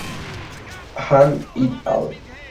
Han "et al.